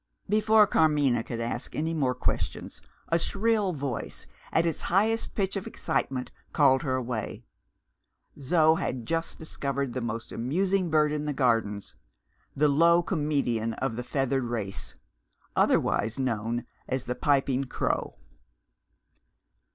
Before Carmina could ask any more questions a shrill voice, at its highest pitch of excitement, called her away. Zo had just discovered the most amusing bird in the Gardens the low comedian of the feathered race otherwise known as the Piping Crow.